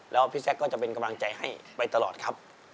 แล้วพี่แซคก็จะเป็นกำลังใจให้ไปตลอดครับ